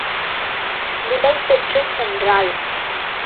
விடை பெற்றுச் சென்றாள்.